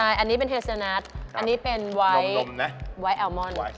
อันนี้เป็นเฮเซอร์นัทอันนี้เป็นไว้แอลมอน